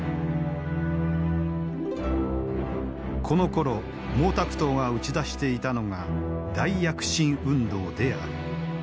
このころ毛沢東が打ち出していたのが大躍進運動である。